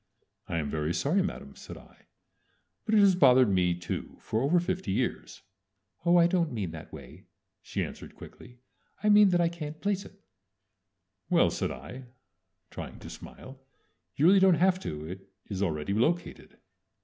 "I am very sorry, Madame," said I, "but it has bothered me too for over fifty years." "Oh, I don't mean that way," she answered quickly. "I mean that I can't place it." "Well," said I, trying to smile, "you really don't have to. It is already located."